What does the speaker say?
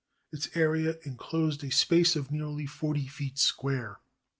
Its area in closed a space of nearly forty feet square.